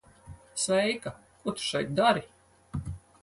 Sveika. Ko tu šeit dari?